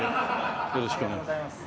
よろしくお願いします。